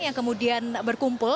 yang kemudian berkumpul